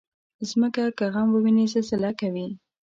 مځکه که غم وویني، زلزله کوي.